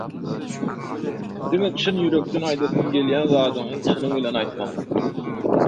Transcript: diňe çynýürekden aýdasyň gelýän zadyňy çynyň bilen aýtmak